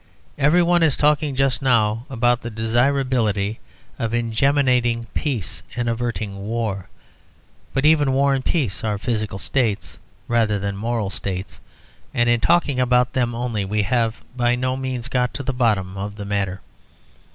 Every one is talking just now about the desirability of ingeminating peace and averting war. But even war and peace are physical states rather than moral states, and in talking about them only we have by no means got to the bottom of the matter.